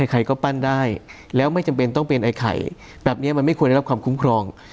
ใครก็ปั้นได้แล้วไม่จำเป็นต้องเป็นไอ้ไข่แบบนี้มันไม่ควรได้รับความคุ้มครอง